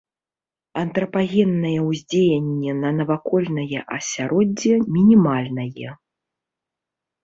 Антрапагеннае ўздзеянне на навакольнае асяроддзе мінімальнае.